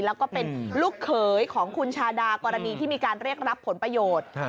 แล้วก็เป็นลูกเขยของคุณชาดากรณีที่มีการเรียกรับผลประโยชน์